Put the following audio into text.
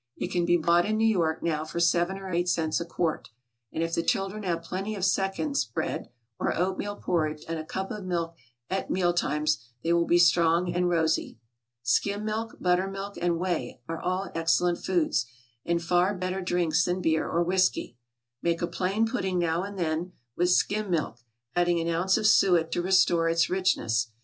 It can be bought in New York now for seven or eight cents a quart; and if the children have plenty of seconds bread, or oatmeal porridge, and a cup of milk, at meal times, they will be strong and rosy. Skim milk, butter milk, and whey, are all excellent foods, and far better drinks than beer or whiskey. Make a plain pudding now and then, with skim milk, adding an ounce of suet to restore its richness.